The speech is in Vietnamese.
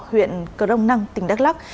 huyện cờ đông năng tỉnh đắk lóc